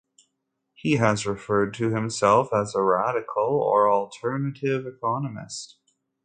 He has referred to himself as a "radical" or "alternative" economist.